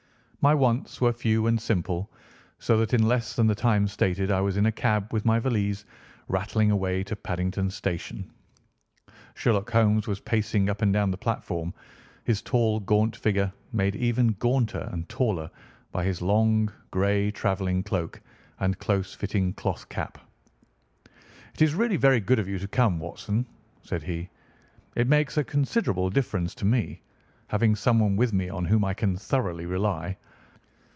My wants were few and simple, so that in less than the time stated I was in a cab with my valise, rattling away to Paddington Station. Sherlock Holmes was pacing up and down the platform, his tall, gaunt figure made even gaunter and taller by his long grey travelling cloak and close fitting cloth cap. "It is really very good of you to come, Watson," said he. "It makes a considerable difference to me, having someone with me on whom I can thoroughly rely.